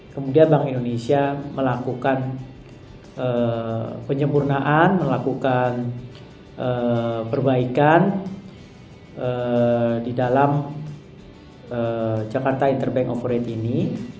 kemudian bank indonesia melakukan penyempurnaan melakukan perbaikan di dalam jakarta interbank operate ini